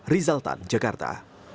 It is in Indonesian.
rizal tan jakarta